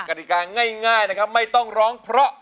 กฎิกาง่ายนะครับไม่ต้องร้องเพราะ